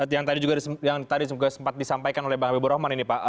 yang tadi sempat disampaikan oleh bang habibur rahman ini pak